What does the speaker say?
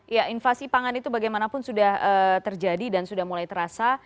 ya invasi pangan itu bagaimanapun sudah terjadi dan sudah mulai terasa